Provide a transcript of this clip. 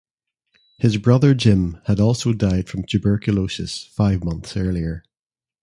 His brother Jim had also died of tuberculosis five months earlier.